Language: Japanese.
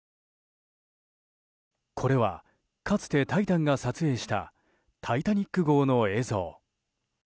これは、かつて「タイタン」が撮影した「タイタニック号」の映像。